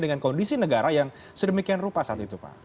dengan kondisi negara yang sedemikian rupa saat itu pak